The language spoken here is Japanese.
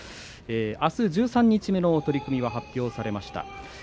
あす十三日目の取組は発表されました。